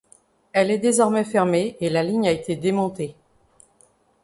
Elle est désormais fermée et la ligne a été démontée.